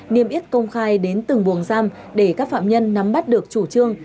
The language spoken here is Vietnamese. niêm yết công khai đến từng buồng giam để các phạm nhân nắm bắt được chủ trương